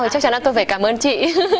thì chắc chắn là tôi phải cảm ơn chị